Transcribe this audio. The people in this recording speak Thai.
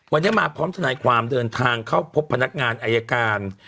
วันนี้มาพร้อมทนายความเดินทางเข้าพบพนักงานอายการ